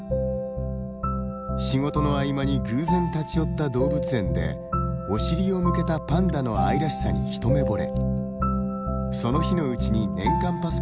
仕事の合間に偶然立ち寄った動物園でお尻を向けたパンダの愛らしさに一目ぼれ。